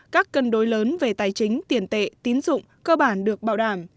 các cân đối lớn về tài chính tiền tệ tín dụng cơ bản được bảo đảm